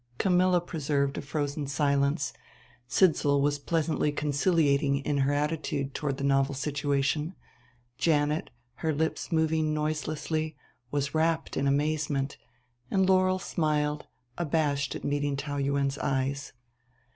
Camilla preserved a frozen silence; Sidsall was pleasantly conciliating in her attitude toward the novel situation; Janet, her lips moving noiselessly, was rapt in amazement; and Laurel smiled, abashed at meeting Taou Yuen's eyes.